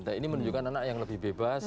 nah ini menunjukkan anak yang lebih bebas